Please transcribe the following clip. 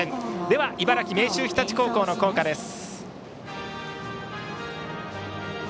では茨城・明秀日立高校の校歌です。